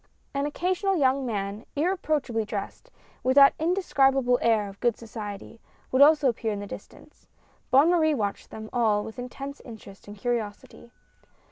An occasional young man irreproachably dressed, with that indescribable air of good society, would also appear in the distance. Bonne Marie watched them all with intense interest and curiosity.